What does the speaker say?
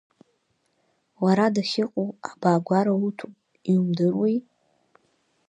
Лара дахьыҟоу, абаагәара уҭоуп, иумдыруеи?